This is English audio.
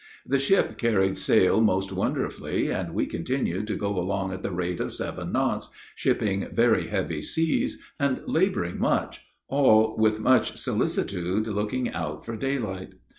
The ship carried sail most wonderfully, and we continued to go along at the rate of seven knots, shipping very heavy seas, and laboring much all with much solicitude looking out for daylight.